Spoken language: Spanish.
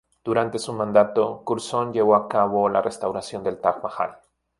Durante su mandato, Curzon llevó a cabo la restauración del Taj Mahal.